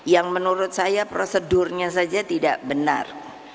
yang menurut saya prosedurnya saja tidak benar